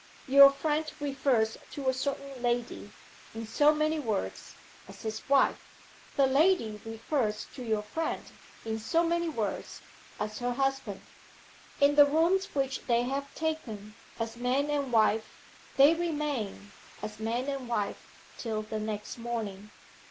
Your friend refers to a certain lady, in so many words, as his wife. The lady refers to your friend, in so many words, as her husband. In the rooms which they have taken, as man and wife, they remain, as man and wife, till the next morning.